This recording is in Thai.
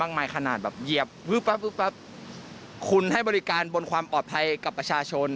มายขนาดแบบเหยียบปั๊บคุณให้บริการบนความปลอดภัยกับประชาชน